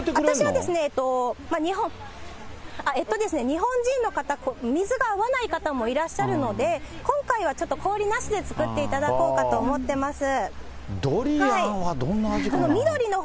日本人の方、水が合わない方もいらっしゃるので、今回はちょっと氷なしで作っていただこうかと思っています。